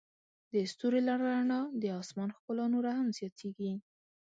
د ستوري له رڼا د آسمان ښکلا نوره هم زیاتیږي.